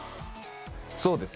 そうです！